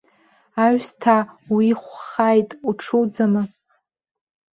Аҩсҭаа уихәхааит, уҽуӡама.